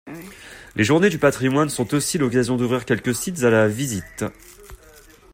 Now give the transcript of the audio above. Les journées du Patrimoine sont aussi l'occasion d'ouvrir quelques sites à la visite.